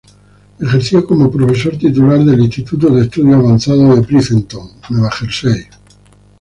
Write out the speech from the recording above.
Ejerció como profesor titular del Instituto de Estudios Avanzados de Princeton, Nueva Jersey.